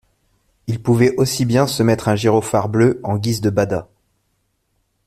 il pouvait aussi bien se mettre un gyrophare bleu en guise de bada.